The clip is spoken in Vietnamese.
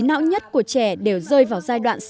não nhất của trẻ đều rơi vào giai đoạn